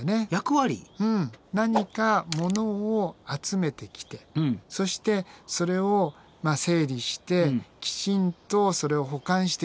うん何かものを集めてきてそしてそれを整理してきちんとそれを保管していく。